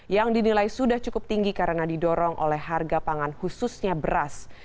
yang dinilai sudah cukup tinggi karena didorong oleh harga pangan khususnya beras